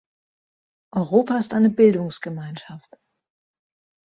Europa ist eine Bildungsgemeinschaft.